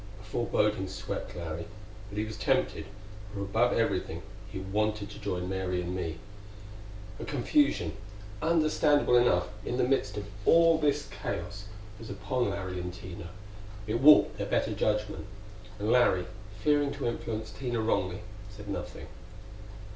A foreboding swept Larry; but he was tempted, for above everything he wanted to join Mary and me. A confusion understandable enough in the midst of all this chaos was upon Larry and Tina; it warped their better judgment. And Larry, fearing to influence Tina wrongly, said nothing.